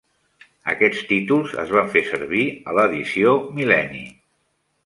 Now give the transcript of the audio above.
Aquests títols es van fer servir a "l'edició mil·lenni".